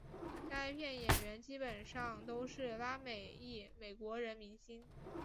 该片演员基本上都是拉美裔美国人明星。